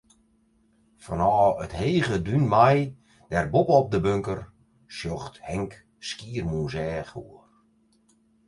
Fanôf it hege dún mei dêr boppe-op de bunker, sjocht Henk Skiermûntseach oer.